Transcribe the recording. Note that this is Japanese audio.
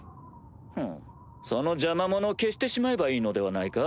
ふむその邪魔者を消してしまえばいいのではないか？